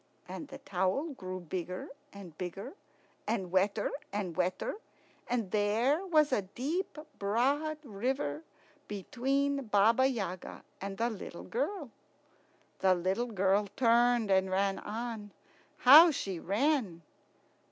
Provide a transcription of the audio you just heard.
And the towel grew bigger and bigger, and wetter and wetter, and there was a deep, broad river between Baba Yaga and the little girl. The little girl turned and ran on. How she ran!